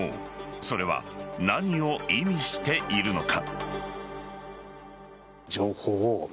それは何を意味しているのか。